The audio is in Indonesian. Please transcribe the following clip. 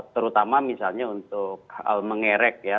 terutama misalnya untuk mengerek ya